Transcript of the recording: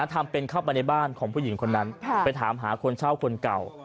ทำเป็นเข้าไปในบ้านของผู้หญิงคนนั้นไปถามหาคนเช่าคนเก่า